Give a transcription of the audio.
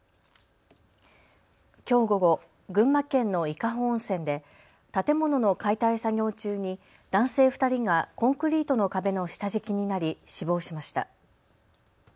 きょう午後、群馬県の伊香保温泉で建物の解体作業中に男性２人がコンクリートの壁の下敷きになり死亡しました。